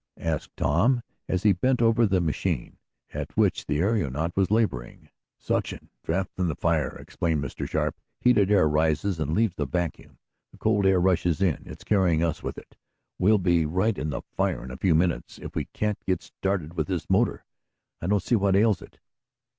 asked Tom, as he bent over the machine, at which the aeronaut was laboring. "Suction draught from the fire!" explained Mr. Sharp. "Heated air rises and leaves a vacuum. The cold air rushes in. It's carrying us with it. We'll be right in the fire in a few minutes, if we can't get started with this motor! I don't see what ails it."